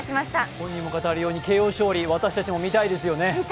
本人も語るようにＫＯ勝利、私たちも見たいですね。